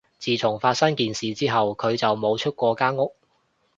自從發生件事之後，佢就冇出過間屋